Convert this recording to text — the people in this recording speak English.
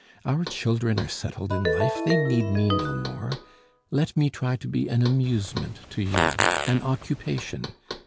Our children are settled in life; they need me no more. Let me try to be an amusement to you, an occupation.